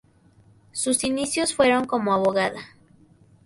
Sus inicios fueron como abogada.